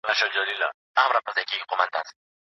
انلاين کورسونه د سبقونو تکرار بې نظارت سره نه ترسره کيږي.